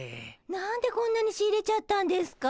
何でこんなに仕入れちゃったんですか？